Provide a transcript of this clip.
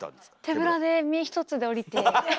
手ぶらで身ひとつで降りて。